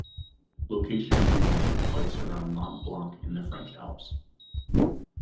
Location shooting took place around Mont Blanc in the French Alps.